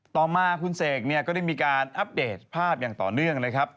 ต่อมาคุณเสกเนี่ยก็ได้มีการอัปเดตภาพอย่างต่อเนื่องนะครับ